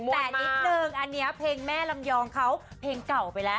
แต่นิดนึงอันนี้เพลงแม่ลำยองเขาเพลงเก่าไปแล้ว